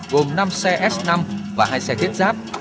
gồm năm xe s năm và hai xe thiết giáp